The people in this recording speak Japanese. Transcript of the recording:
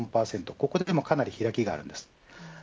ここでもかなり開きがあります。